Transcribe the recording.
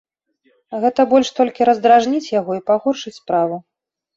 Гэта больш толькі раздражніць яго і пагоршыць справу.